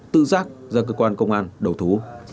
tự giác ra cơ quan công an đầu thú